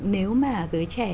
nếu mà giới trẻ